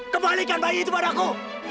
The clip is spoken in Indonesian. kembalikan bayi itu kepadaku